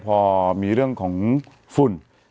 พอมีเรื่องของฝุ่น